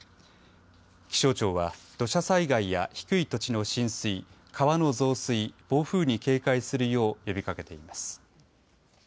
気象庁は土砂災害や低い土地の浸水川の増水、暴風に警戒するよう呼びかけています。